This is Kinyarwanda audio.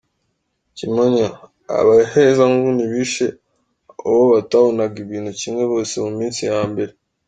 Kimonyo: Abahezanguni bishe abo batabonaga ibintu kimwe bose mu minsi ya mbere.